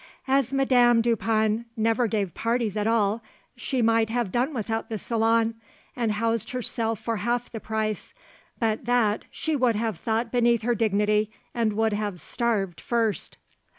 As Madame Dupin never gave parties at all, she might have done without the salon and housed herself for half the price, but that she would have thought beneath her dignity, and would have starved first.